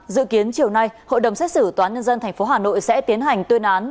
dự kiến chiều nay hội đồng xét xử tòa nhân dân tp hà nội sẽ tiến hành tuyên án